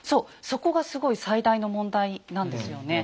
そこがすごい最大の問題なんですよね。